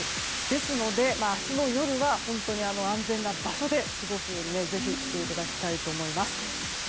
ですので、明日の夜は本当に安全な場所で過ごすようにぜひしていただきたいと思います。